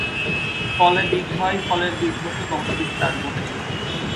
ফলে বীজ হয়, ফলের বীজ হতে বংশ বিস্তার ঘটে।